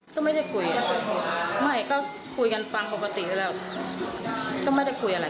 ชอคค่ะลูกต้องแสดงเมื่อคืนว่าเขามารอดตัวไป